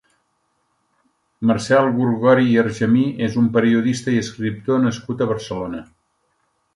Marcel Gorgori i Argemí és un periodista i escriptor nascut a Barcelona.